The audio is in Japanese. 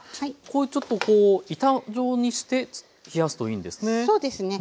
こうちょっとこう板状にして冷やすといいんですね。